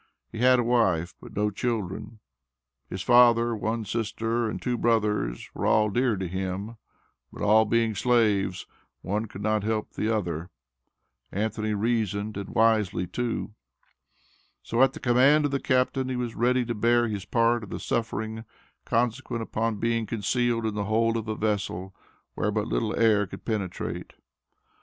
He had a wife, but no children. His father, one sister, and two brothers were all dear to him, but all being slaves "one could not help the other," Anthony reasoned, and wisely too. So, at the command of the captain, he was ready to bear his part of the suffering consequent upon being concealed in the hold of a vessel, where but little air could penetrate.